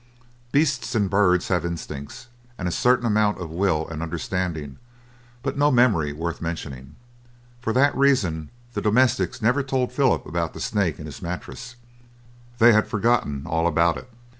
Beasts and birds have instincts, and a certain amount of will and understanding, but no memory worth mentioning. For that reason the domestics never told Philip about the snake in his mattress, they had forgotten all about it.